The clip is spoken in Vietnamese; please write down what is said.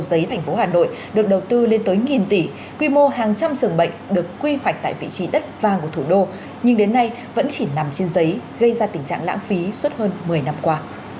giấy thành phố hà nội được đầu tư lên tới nghìn tỷ quy mô hàng trăm dường bệnh được quy hoạch tại vị trí đất vang của thủ đô nhưng đến nay vẫn chỉ nằm trên giấy gây ra tình trạng lãng phí suốt hơn một mươi năm qua